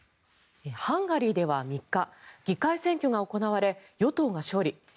ハンガリーでは３日議会選挙が行われ与党が勝利。